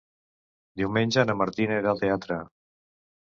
Diumenge na Martina irà al teatre.